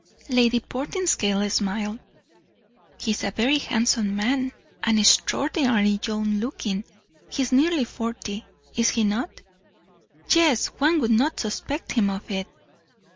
Lady Portinscale smiled. "He is a very handsome man, and extraordinarily young looking; he is nearly forty, is he not?" "Yes, one would not suspect him of it.